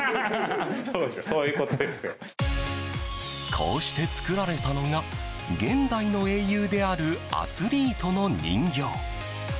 こうして作られたのが現代の英雄であるアスリートの人形。